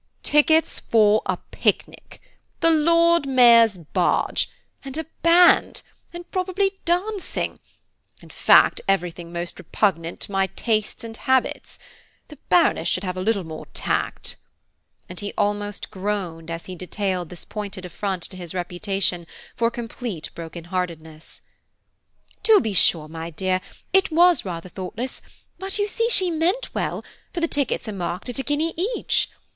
"Tickets for a picnic, the Lord Mayor's barge, and a band, and probably dancing; in fact everything most repugnant to my tastes and habits–the Baroness should have a little more tact"; and he almost groaned as he detailed this pointed affront to his reputation for complete broken heartedness. "To be sure, my dear, it was rather thoughtless; but you see, she meant well, for the tickets are marked at a guinea each.